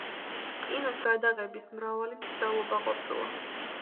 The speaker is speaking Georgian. კინოს გადაღების მრავალი მცდელობა ყოფილა.